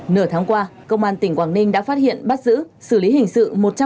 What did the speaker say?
nửa tháng qua công an tỉnh quảng ninh đã phát hiện bắt giữ xử lý hình sự